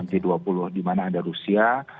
g dua puluh dimana ada rusia